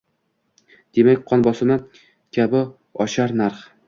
Demak, qon bosimi kabi oshar narx…”